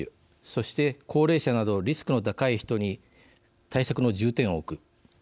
そして高齢者など、リスクの高い人に対策の重点を置く。